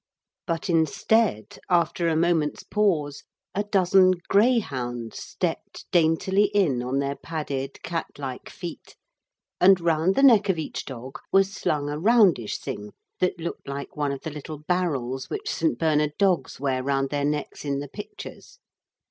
But instead, after a moment's pause, a dozen greyhounds stepped daintily in on their padded cat like feet; and round the neck of each dog was slung a roundish thing that looked like one of the little barrels which St. Bernard dogs wear round their necks in the pictures.